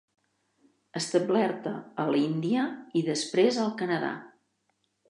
Establerta a l'Índia i després al Canadà.